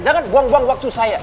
jangan buang buang waktu saya